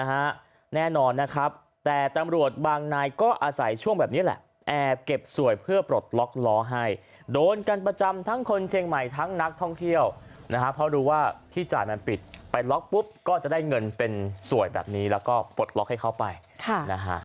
แน่นอนนะครับแต่ตำรวจบางนายก็อาศัยช่วงแบบนี้แหละแอบเก็บสวยเพื่อปลดล็อกล้อให้โดนกันประจำทั้งคนเชียงใหม่ทั้งนักท่องเที่ยวนะฮะเพราะรู้ว่าที่จ่ายมันปิดไปล็อกปุ๊บก็จะได้เงินเป็นสวยแบบนี้แล้วก็ปลดล็อกให้เขาไปค่ะนะฮะ